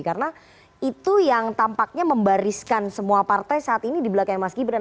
karena itu yang tampaknya membariskan semua partai saat ini di belakang mas gibran